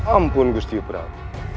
ampun gusti yopraw